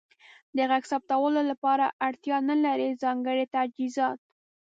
د غږ ثبتولو لپاره اړتیا نلرئ ځانګړې تجهیزات.